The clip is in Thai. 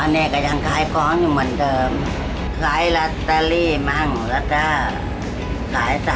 เนี่ยก็ยังขายของอยู่เหมือนเดิมขายลอตเตอรี่มั่งแล้วก็ขายตาม